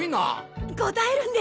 答えるんですか。